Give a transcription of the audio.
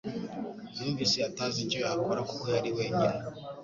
Yumvise atazi icyo yakora kuko yari wenyine .